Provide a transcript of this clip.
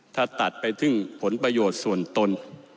ถ้าตัดไปถึงผลประโยชน์ส่วนตน